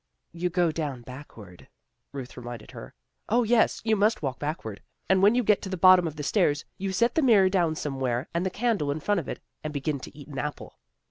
" You go down backward," Ruth reminded her. " 0, yes. You must walk backward. And when you get to the bottom of the stairs you set the mirror down somewhere and the candle in front of it, and begin to eat an apple."